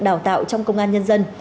đào tạo trong công an nhân dân